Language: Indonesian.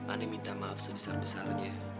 anda minta maaf sebesar besarnya